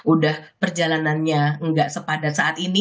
udah perjalanannya nggak sepadat saat ini